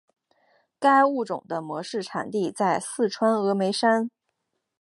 该物种的模式产地在四川峨眉山。